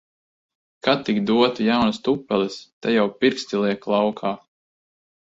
Ka tik dotu jaunas tupeles! Te jau pirksti liek laukā.